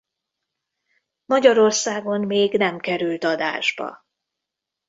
Magyarországon még nem került adásba.